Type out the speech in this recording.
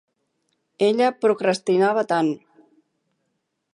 Ella procrastinava tant.